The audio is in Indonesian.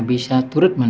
ke suatu situasi